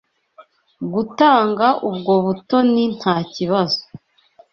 Gutanga ubwo butoni ntakibazo.